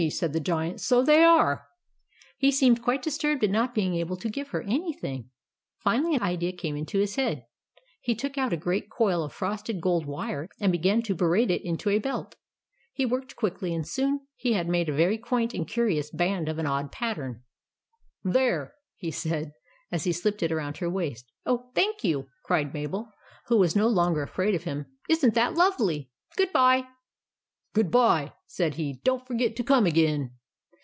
said the Giant, "SO THEY ARE." He seemed quite disturbed at not being able to give her anything. Finally an idea came into his head. He took out a great coil of frosted gold wire, and began to braid it into a belt. He worked quickly, and soon he had made a very quaint and curious band of an odd pattern. 178 THE ADVENTURES OF MABEL "THERE!" he said, as he slipped it around her waist. " Oh, thank you !" cried Mabel, who was no longer afraid of him. " Is n't that lovely ! Good bye." " GOOD BYE," said he. " DONT FOR GET TO COME AGAIN."